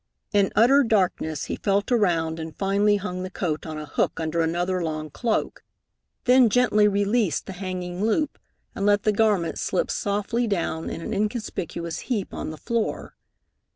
In utter darkness he felt around and finally hung the coat on a hook under another long cloak, then gently released the hanging loop and let the garment slip softly down in an inconspicuous heap on the floor.